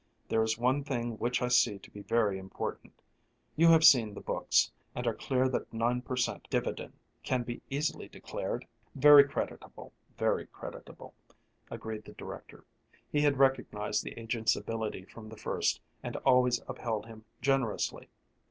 "There is one thing which I see to be very important. You have seen the books, and are clear that nine per cent. dividend can easily be declared?" "Very creditable, very creditable," agreed the director; he had recognized the agent's ability from the first and always upheld him generously.